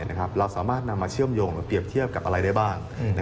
เราสามารถนำมาเชื่อมโยงแปรวคกับอะไรได้บ้าง